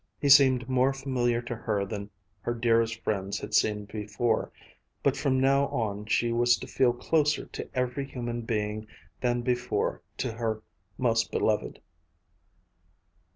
He seemed more familiar to her than her dearest friends had seemed before; but from now on she was to feel closer to every human being than before to her most loved.